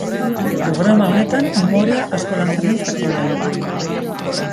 Programa honetan, umorea asko lantzen den faktorea da.